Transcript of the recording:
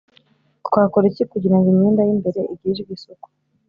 Twakora iki kugira ngo imyenda y’ imbere igirirwe isuku?